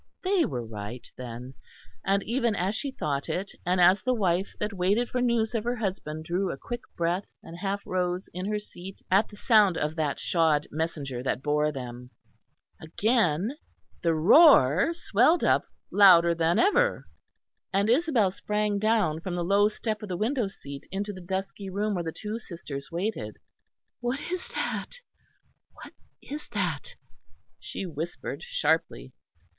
They were right, then; and even as she thought it, and as the wife that waited for news of her husband drew a quick breath and half rose in her seat at the sound of that shod messenger that bore them, again the roar swelled up louder than ever; and Isabel sprang down from the low step of the window seat into the dusky room where the two sisters waited. "What is that? What is that?" she whispered sharply.